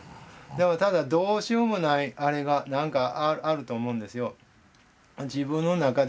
でもただどうしようもないあれがなんかあると思うんですよ。